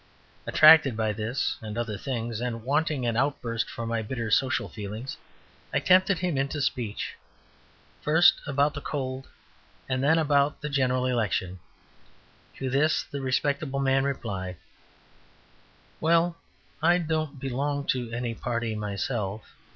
Attracted by this and other things, and wanting an outburst for my bitter social feelings, I tempted him into speech, first about the cold, and then about the General Election. To this the respectable man replied: "Well, I don't belong to any party myself.